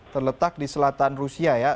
terletak di selatan rusia ya